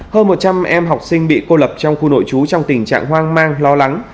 hơn một trăm linh em học sinh bị cô lập trong khu nội trú trong tình trạng hoang mang lo lắng